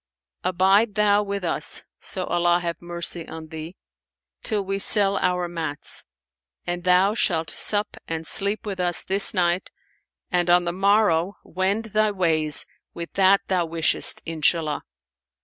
Abide thou with us (so Allah have mercy on thee!) till we sell our mats; and thou shalt sup and sleep with us this night and on the morrow wend thy ways with that thou wishest, Inshallah!'